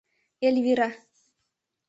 Эльвира».